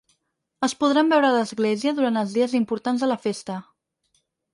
Es podran veure a l’església durant els dies importants de la festa.